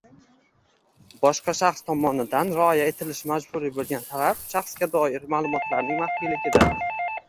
boshqa shaxs tomonidan rioya etilishi majburiy bo‘lgan talab shaxsga doir ma’lumotlarning maxfiyligidir.